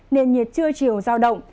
nền nhiệt chưa chiều giao động